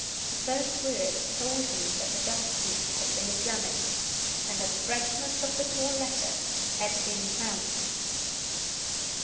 The first words told me that the dust heap had been examined, and that the fragments of the torn letter had been found.